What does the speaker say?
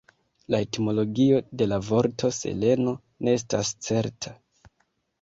La etimologio de la vorto "Seleno" ne estas certa.